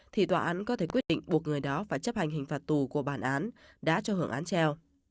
thì tòa án có thể quyết định buộc người đó phải chấp hành hình phạt tù của bản án đã cho hưởng án treo